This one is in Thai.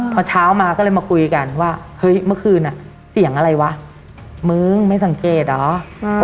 พอเช้ามาก็เลยมาคุยกันว่าเฮ้ยเมื่อคืนอ่ะเสียงอะไรวะมึงไม่สังเกตเหรอ